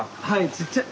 ちっちゃい。